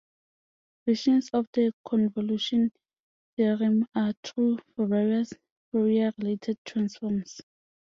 Versions of the convolution theorem are true for various Fourier-related transforms.